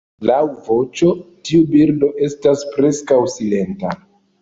Laŭ voĉo tiu birdo estas preskaŭ silenta.